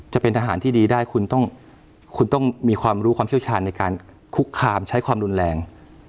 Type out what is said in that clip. จะเป็นทหารที่ดีได้คุณต้องคุณต้องมีความรู้ความเชี่ยวชาญในการคุกคามใช้ความรุนแรง